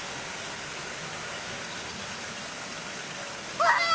うわ！